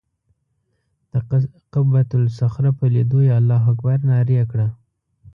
د قبة الصخره په لیدو یې الله اکبر نارې کړه.